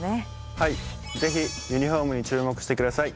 はいぜひユニホームに注目してください。